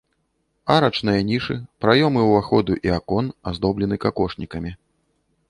Арачныя нішы, праёмы ўваходу і акон аздоблены какошнікамі.